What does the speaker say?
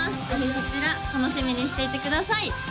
こちら楽しみにしていてください！